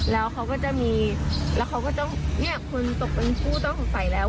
แล้วเขาก็จะมีแล้วเขาก็ต้องเนี่ยคุณตกเป็นผู้ต้องสงสัยแล้ว